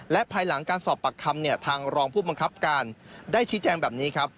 และภายหลังการสอบปากคำเนี่ยทางรองผู้บังคับการได้ชี้แจงแบบนี้ครับ